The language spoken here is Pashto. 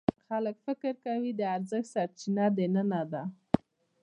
خلک فکر کوي د ارزښت سرچینه دننه ده.